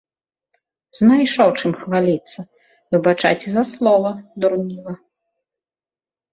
Знайшоў чым хваліцца, выбачайце за слова, дурніла.